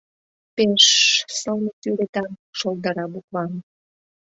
— Пеш-ш-ш сылне сӱретан, шолдыра букван.